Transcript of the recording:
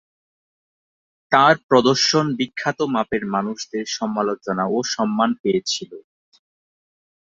তাঁর প্রদর্শন বিখ্যাত মাপের মানুষদের সমালোচনা ও সম্মান পেয়েছিল।